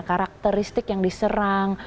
karakteristik yang diserang